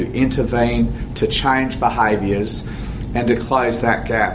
dan untuk menutupi jalan itu